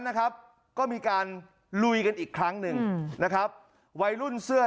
นะครับก็มีการลุยกันอีกครั้งหนึ่งนะครับวัยรุ่นเสื้อ